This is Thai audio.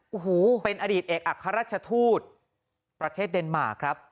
โอ้โหเป็นอดีตเอกอัครราชทูตประเทศเดนมาร์ครับ